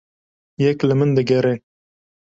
Yek li min digere.